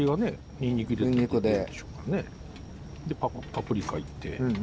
パプリカいって。